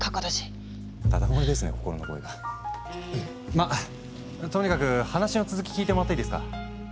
まっとにかく話の続き聞いてもらっていいですか？